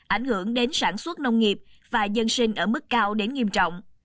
ảnh hưởng đến sản xuất nông nghiệp và dân sinh ở mức cao đến nghiêm trọng